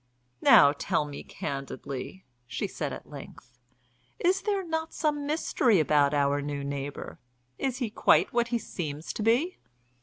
"Now, tell me candidly," she said at length. "Is there not some mystery about our new neighbour? Is he quite what he seems to be?"